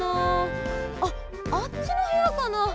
あっあっちのへやかな？